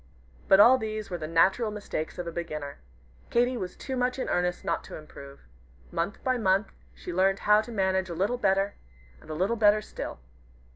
But all these were but the natural mistakes of a beginner. Katy was too much in earnest not to improve. Month by month she learned how to manage a little better, and a little better still.